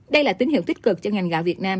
đây là tín hiệu tích cực cho ngành gạo việt nam